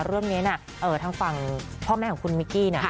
เรื่องนี้นะทางฝั่งพ่อแม่ของคุณมิกกี้เนี่ย